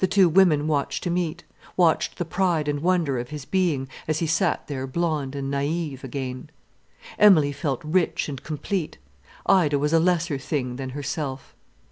The two women watched him eat, watched the pride and wonder of his being, as he sat there blond and naïf again. Emilie felt rich and complete. Ida was a lesser thing than herself.